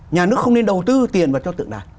nhà nước không nên đầu tư tiền vào cho tượng đài